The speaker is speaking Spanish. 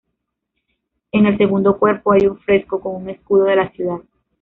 En el segundo cuerpo hay un fresco con un escudo de la ciudad.